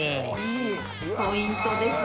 ポイントです